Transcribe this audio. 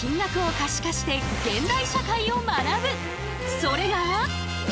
それが。